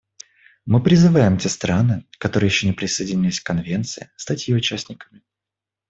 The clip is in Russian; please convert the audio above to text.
Мы призываем те страны, которые еще не присоединились к Конвенции, стать ее участниками.